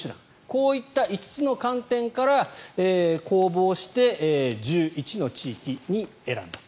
こういった５つの観点から公募をして１１の地域を選んだと。